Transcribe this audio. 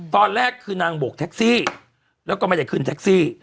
ตอนแรกคือนางโบกแท็กซี่แล้วก็ไม่ได้ขึ้นแท็กซี่